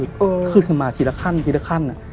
คือขึ้นมาทีละขั้นทีละขั้น